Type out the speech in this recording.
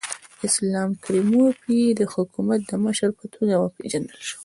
اسلام کریموف یې د حکومت د مشر په توګه وپېژندل شو.